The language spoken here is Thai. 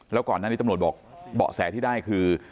แล้วก่อนนั้นที่ตำรวจเบาะแสที่ได้คือ